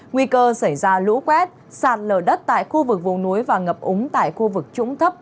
nguy cơ xảy ra lũ quét sạt lở đất tại khu vực vùng núi và ngập úng tại khu vực trũng thấp